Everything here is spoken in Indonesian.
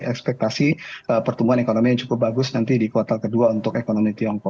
ekspektasi pertumbuhan ekonomi yang cukup bagus nanti di kuartal kedua untuk ekonomi tiongkok